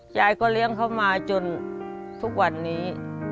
ยายก็เลี้ยงเขามาจนทุกวันนี้